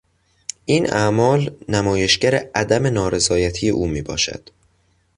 این اعمال نمایشگر عدم نارضایتی او میباشد.